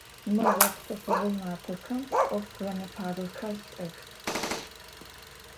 Мы гъэпсэфыгъо мафэхэм ӏоф гъэнэфагъэхэр сиӏэх.